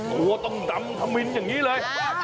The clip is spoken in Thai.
ตัวต้องดำธมินอย่างนี้เลย